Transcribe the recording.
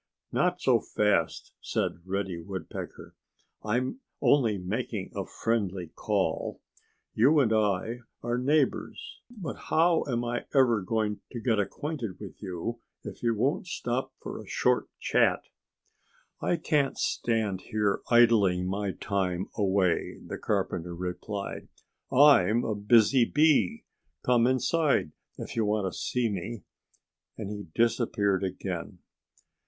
"Not so fast!" said Reddy Woodpecker. "I'm only making a friendly call. You and I are neighbors. But how am I ever going to get acquainted with you if you won't stop for a short chat?" "I can't stand here idling my time away," the carpenter replied. "I'm a busy bee. Come inside if you want to see me!" And he disappeared again.